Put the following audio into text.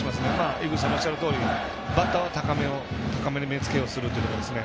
井口さんのおっしゃるとおりバッターは高めに目つけをするというところですね。